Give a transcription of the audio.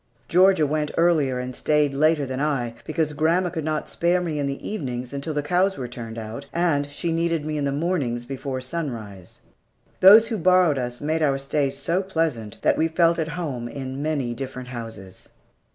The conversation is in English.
Georgia went earlier and stayed later than I, because grandma could not spare me in the evenings until after the cows were turned out, and she needed me in the mornings before sunrise. Those who borrowed us made our stays so pleasant that we felt at home in many different houses.